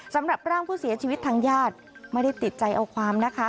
สำหรับร่างผู้เสียชีวิตทางญาติไม่ได้ติดใจเอาความนะคะ